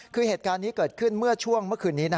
คือเหตุการณ์นี้เกิดขึ้นเมื่อช่วงเมื่อคืนนี้